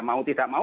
mau tidak mau